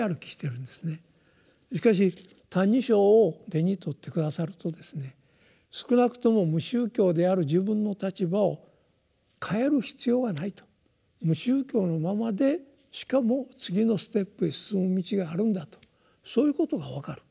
しかし「歎異抄」を手に取って下さるとですね少なくとも無宗教である自分の立場を変える必要はないと無宗教のままでしかも次のステップへ進む道があるんだとそういうことが分かる。